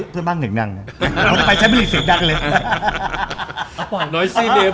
เพื่อนบ้านเหน็กนั่งเอาไปใช้ไม่รีดเสียงดักเลย